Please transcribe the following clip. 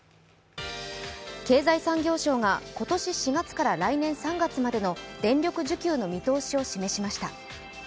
経済産業省が今年４月から来年３月までの電力需給の見通しを示しました。